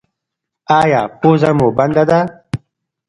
ایا پوزه مو بنده ده؟